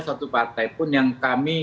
suatu partai pun yang kami